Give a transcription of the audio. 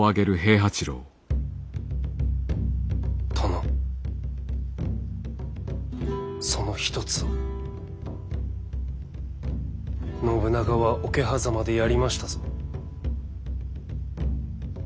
殿その一つを信長は桶狭間でやりましたぞ。